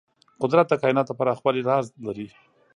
قدرت د کایناتو د پراخوالي راز لري.